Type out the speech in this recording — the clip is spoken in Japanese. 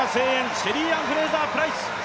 シェリーアン・フレイザープライス。